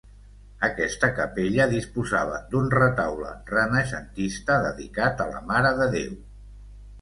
Aquesta capella disposava d'un retaule renaixentista dedicat a la Mare de Déu.